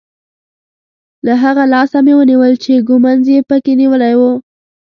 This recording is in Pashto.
له هغه لاسه مې ونیول چې ږومنځ یې په کې نیولی وو.